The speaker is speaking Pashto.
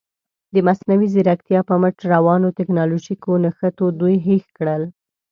د مصنوعي زیرکتیا په مټ روانو تکنالوژیکي نښتو دوی هېښ کړل.